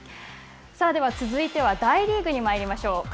続いては大リーグにまいりましょう。